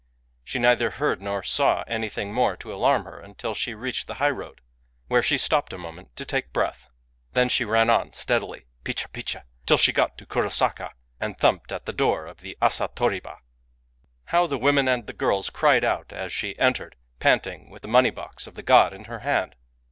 She neither heard nor saw anything more to alarm her until she reached the highroad, where she stopped a moment to take breath. Then she ran oi^steadily, — picbh picbhy — till she got to Kurosaka, and thumped at the door of the asa toriha. How the women and the girls cried out as she entered, panting, with the money box of the god in her hand!